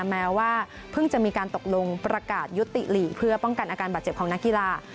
แม้ว่าเพิ่งจะมีการตกลงประกาศยุติหลีกเพื่อป้องกันอาการบาดเจ็บของนักกีฬา